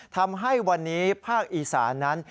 ทำให้วันนี้ภาคอีสานนั้น